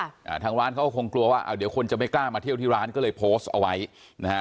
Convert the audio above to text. อ่าทางร้านเขาก็คงกลัวว่าอ่าเดี๋ยวคนจะไม่กล้ามาเที่ยวที่ร้านก็เลยโพสต์เอาไว้นะฮะ